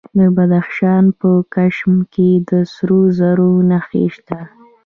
د بدخشان په کشم کې د سرو زرو نښې شته.